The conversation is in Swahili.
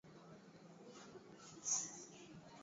Sijui watoka wapi wala waenda wapi